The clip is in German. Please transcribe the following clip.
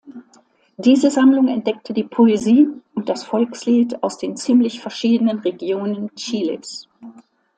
Diese Sammlung entdeckte die Poesie und das Volkslied aus den ziemlich verschiedenen Regionen Chiles.